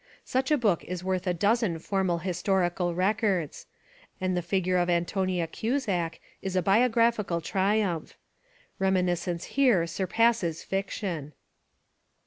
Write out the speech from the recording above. Such a book is worth a dozen formal historical records. And the figure of Antonia Cuzak is a biographical triumph. Rem iniscence here surpasses fiction.